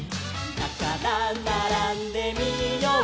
「だからならんでみよう」